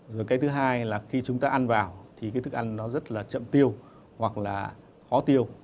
rồi cái thứ hai là khi chúng ta ăn vào thì cái thức ăn nó rất là chậm tiêu hoặc là khó tiêu